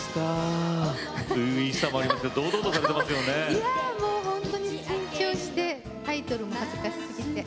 いやもうほんとに緊張してタイトルも「恥ずかしすぎて」。